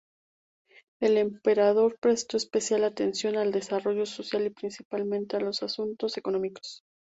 El emperador prestó especial atención al desarrollo social y, principalmente, a los asuntos económicos.